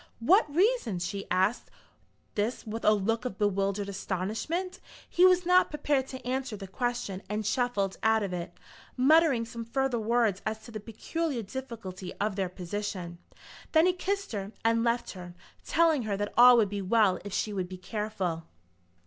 "What reasons?" She asked this with a look of bewildered astonishment. He was not prepared to answer the question, and shuffled out of it, muttering some further words as to the peculiar difficulty of their position. Then he kissed her and left her, telling her that all would be well if she would be careful.